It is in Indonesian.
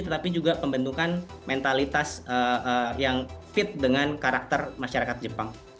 tetapi juga pembentukan mentalitas yang fit dengan karakter masyarakat jepang